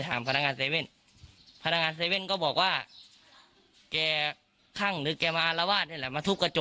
ทีนี้เขาก็บอกว่าไม่รู้แล้วอยู่ดี